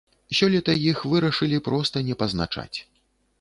Сёлета іх вырашылі проста не пазначаць.